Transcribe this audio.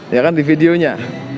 ya kan di videonya